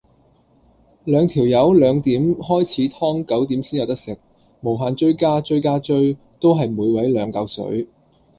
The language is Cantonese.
兩條友兩點開始劏九點先有得食，無限追加追加追，都係每位兩舊水